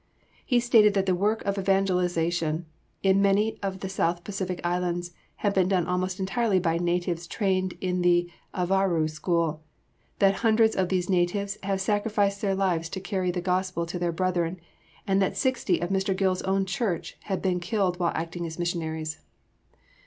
He stated that the work of evangelization in many of the South Pacific Islands had been done almost entirely by natives trained in the Avarua School; that hundreds of these natives have sacrificed their lives to carry the Gospel to their brethren, and that sixty of Mr. Gill's own church have been killed while acting as missionaries."